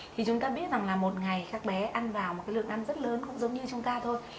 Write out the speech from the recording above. thì chúng ta biết rằng là một ngày các bé ăn vào một cái lượng ăn rất lớn cũng giống như chúng ta thôi